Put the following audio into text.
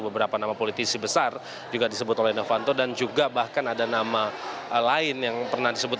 beberapa nama politisi besar juga disebut oleh novanto dan juga bahkan ada nama lain yang pernah disebut